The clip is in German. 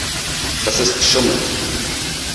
Das ist geschummelt.